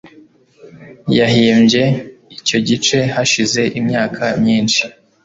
yahimbye icyo gice hashize imyaka myinshi.